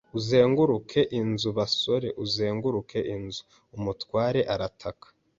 “Uzenguruke inzu, basore! Uzenguruke inzu! ” umutware arataka;